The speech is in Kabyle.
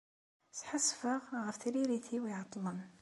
Sḥassfeɣ ɣef tririt-iw iɛeṭṭlen.